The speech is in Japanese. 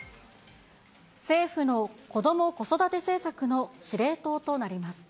政府の子ども・子育て政策の司令塔となります。